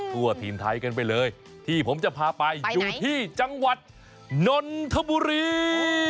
ทั่วถิ่นไทยกันไปเลยที่ผมจะพาไปอยู่ที่จังหวัดนนทบุรี